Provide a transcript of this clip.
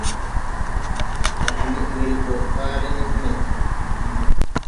Á knɛʼ ŋgel ɓɔ pããre ne hene.